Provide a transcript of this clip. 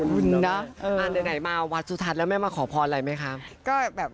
ไหนมาวัดสุทัศน์แล้วแม่มาขอพรอะไรไหมคะ